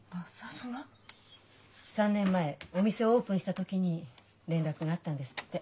３年前お店をオープンした時に連絡があったんですって。